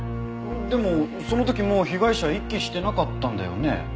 でもその時もう被害者息してなかったんだよね？